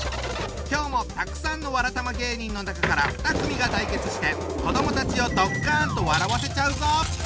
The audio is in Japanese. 今日もたくさんのわらたま芸人の中から２組が対決して子どもたちをドッカンと笑わせちゃうぞ！